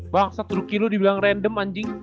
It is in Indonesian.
bang satu rookie lu dibilang random anjing